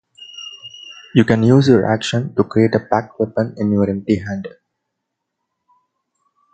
You can use your action to create a pact weapon in your empty hand.